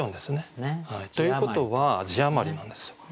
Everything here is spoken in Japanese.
字余り。ということは字余りなんですよ。